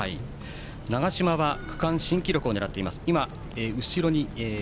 長嶋は区間新記録を狙っています。